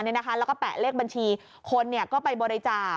แล้วก็แปะเลขบัญชีคนก็ไปบริจาค